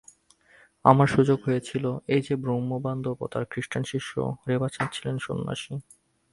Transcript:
আমার সুযোগ হয়েছিল এই যে, ব্রহ্মবান্ধব এবং তাঁর খৃস্টান শিষ্য রেবাচাঁদ ছিলেন সন্ন্যাসী।